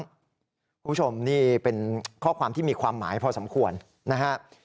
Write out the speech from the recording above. คุณผู้ชมนี่เป็นข้อความที่มีความหมายพอสมควรนะฮะ